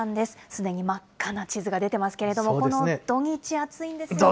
すでに真っ赤な地図が出てますけど、この土日、暑いんですよね。